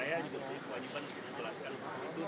ya ini masih di depan rutan kita masih berbentuk